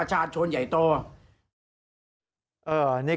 สายลูกไว้อย่าใส่